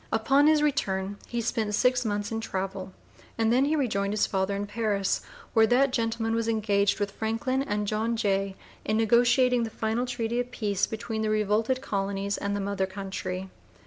Upon his return he spent six months in travel and then he rejoined his father in Paris, where that gentleman was engaged with Franklin and John Jay in negotiating the final treaty of peace between the revolted colonies and the mother country.